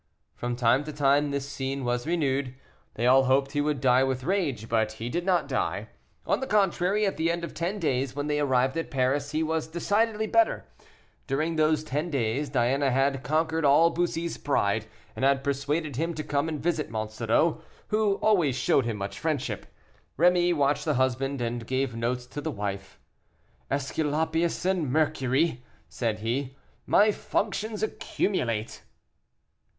From time to time this scene was renewed. They all hoped he would die with rage; but he did not die: on the contrary, at the end of ten days, when they arrived at Paris, he was decidedly better. During these ten days Diana had conquered all Bussy's pride, and had persuaded him to come and visit Monsoreau, who always showed him much friendship. Rémy watched the husband and gave notes to the wife. "Esculapius and Mercury," said he; "my functions accumulate."